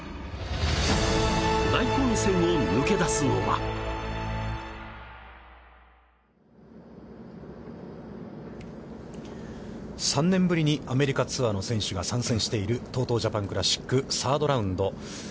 大混戦を抜け出すのは３年ぶりにアメリカツアーの選手が参戦しているＴＯＴＯジャパンクラシックサードラウンド。